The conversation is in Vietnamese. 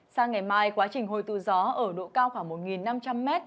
sang ngày mai quá trình hồi tư gió ở độ cao khoảng một năm trăm linh m